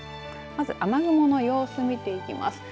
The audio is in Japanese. まず、雨雲の様子見ていきます。